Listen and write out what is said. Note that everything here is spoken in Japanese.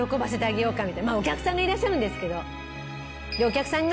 まあお客さんがいらっしゃるんですけど。